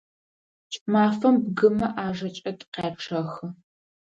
КӀымафэм бгымэ ӀажэкӀэ тыкъячъэхы.